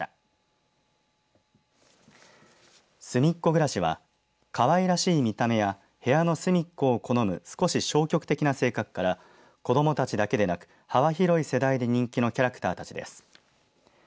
ぐらしはかわいらしい見た目や部屋のすみっこを好む少し消極的な性格から子どもたちだけでなく幅広い世代で人気のキャラクターたちです。